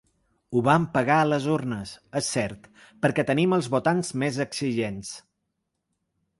Ho vam pagar a les urnes, és cert, perquè tenim els votants més exigents.